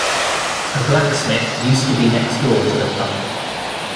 A blacksmith used to be next door to the pub.